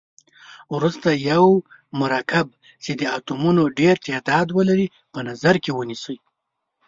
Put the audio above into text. وروسته یو مرکب چې د اتومونو ډیر تعداد ولري په نظر کې ونیسئ.